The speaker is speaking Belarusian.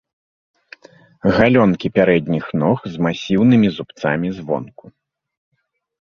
Галёнкі пярэдніх ног з масіўнымі зубцамі звонку.